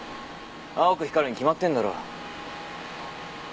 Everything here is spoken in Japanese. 青く光るに決まってんだろ。